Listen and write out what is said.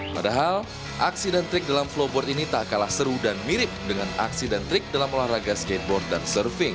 padahal aksi dan trik dalam flowboard ini tak kalah seru dan mirip dengan aksi dan trik dalam olahraga skateboard dan surfing